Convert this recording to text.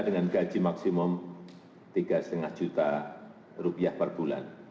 dengan gaji maksimum rp tiga lima juta per bulan